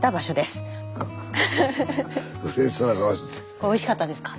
これおいしかったですか？